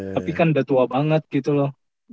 tapi kan udah tua banget gitu loh